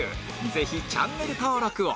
ぜひチャンネル登録を